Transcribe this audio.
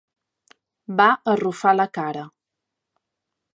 Va arrufar la cara.